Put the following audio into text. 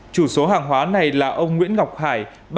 chủ số hàng hóa này là ông nguyễn ngọc hải